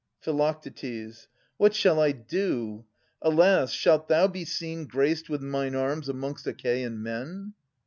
Phi. What shall I do ? Alas, shalt thou be seen Graced with mine arms amongst Achaean men?